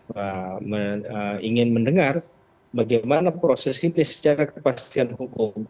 saya ingin mendengar bagaimana proses ini secara kepastian hukum